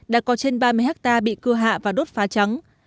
đã có trên ba mươi hectare bị cưa hạ và đốt phá trắng